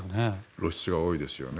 露出が多いですよね。